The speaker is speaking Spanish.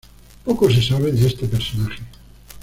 Poco se sabe de este personaje.